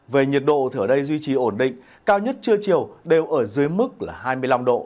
về nhiệt độ thì ở đây duy trì ổn định cao nhất trưa chiều đều ở dưới mức là hai mươi năm độ